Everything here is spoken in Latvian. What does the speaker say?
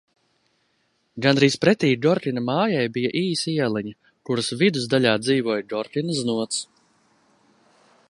Gandrīz pretī Gorkina mājai bija īsa ieliņa, kuras vidus daļā dzīvoja Gorkina znots.